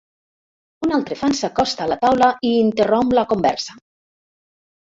Un altre fan s'acosta a la taula i interromp la conversa.